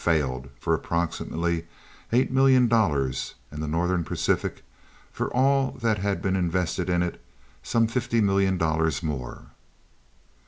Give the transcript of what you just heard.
failed for approximately eight million dollars and the Northern Pacific for all that had been invested in it—some fifty million dollars more.